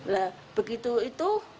nah begitu itu